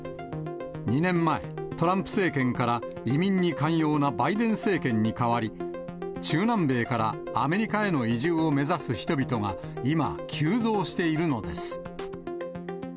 ２年前、トランプ政権から移民に寛容なバイデン政権に代わり、中南米からアメリカへの移住を目指す人々が今、急増しているのです。